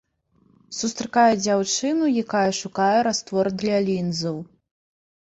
Сустракаю дзяўчыну, якая шукае раствор для лінзаў.